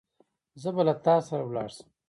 زه به له تا سره لاړ شم.